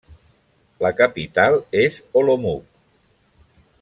La capital és Olomouc.